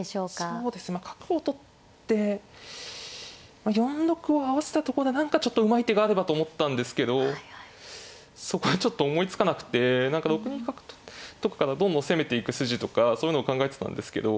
そうですねまあ角を取って４六を合わせたとこで何かちょっとうまい手があればと思ったんですけどそこはちょっと思いつかなくて何か６二角とかからどんどん攻めていく筋とかそういうのを考えてたんですけど。